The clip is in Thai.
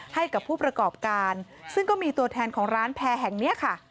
ให้กับผู้ประกอบการซึ่งก็มีตัวแทนของร้านแพร่แห่งนี้ค่ะ